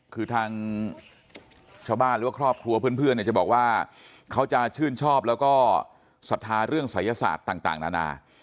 คือทางชาวบ้านหรือว่าครอบครัวเพื่อนเนี่ยจะบอกว่าเขาจะชื่นชอบแล้วก็ศรัทธาเรื่องศัยศาสตร์ต่างนานา